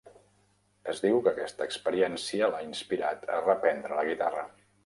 Es diu que aquesta experiència l'ha inspirat a reprendre la guitarra.